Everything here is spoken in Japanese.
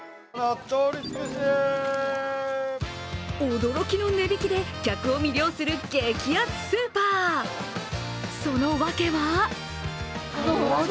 驚きの値引きで客を魅了する激安スーパー、そのわけは？